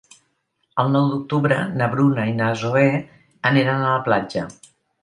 El nou d'octubre na Bruna i na Zoè aniran a la platja.